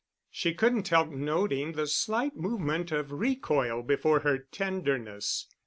She couldn't help noting the slight movement of recoil before her tenderness.